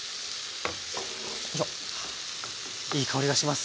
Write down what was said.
いい香りがします。